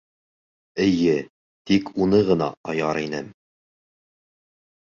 Эйе, тик уны ғына аяр инем.